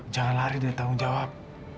jangan lari dari tanggung jawab